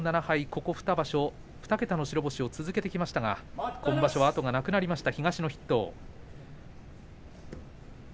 ここ２場所２桁の勝ち越しを続けてきましたが今場所、後がなくなりました。